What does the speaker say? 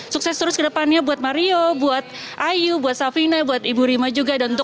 sukses terus kedepannya buat mario buat ayu buat safina buat ibu rima juga dan untuk